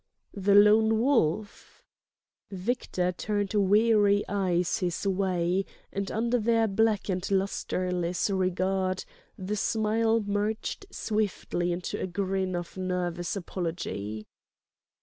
"The Lone Wolf?" Victor turned weary eyes his way, and under their black and lustreless regard the smile merged swiftly into a grin of nervous apology.